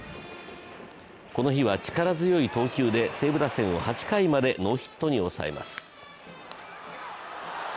この日は力強い投球で西武打線を８回までノーヒットに抑えます。